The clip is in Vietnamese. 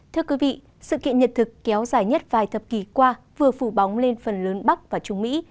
thưa quý vị sự kiện nhật thực kéo dài nhất vài thập kỷ qua vừa phủ bóng lên phần lớn bắc và trung mỹ